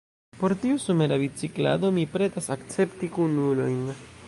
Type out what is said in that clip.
Por tiu somera biciklado mi pretas akcepti kunulojn.